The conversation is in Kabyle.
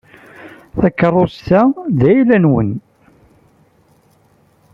Takeṛṛust-a d ayla-nwen.